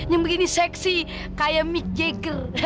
yang begini seksi kayak mick jagger